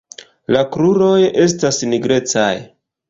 La kruroj estas nigrecaj.